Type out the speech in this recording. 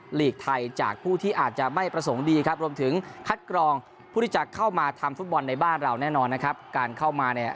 หลีกไทยจากผู้ที่อาจจะไม่ประสงค์ดีครับรวมถึงคัดกรองผู้ที่จะเข้ามาทำฟุตบอลในบ้านเราแน่นอนนะครับการเข้ามาเนี่ย